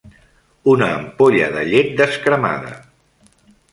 Una ampolla de llet descremada.